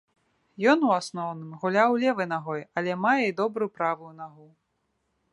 Ён, у асноўным, гуляў левай нагой, але мае і добрую правую нагу.